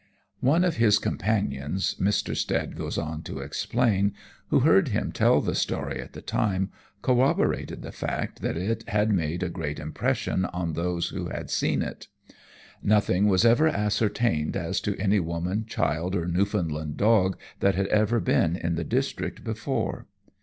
One of his companions, Mr. Stead goes on to explain, who heard him tell the story at the time, corroborated the fact that it had made a great impression on those who had seen it. Nothing was ever ascertained as to any woman, child, or Newfoundland dog that had ever been in the district before.